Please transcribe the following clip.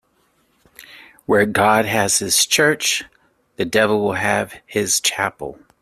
Where God has his church, the devil will have his chapel.